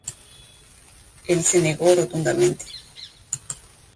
Él se negó rotundamente.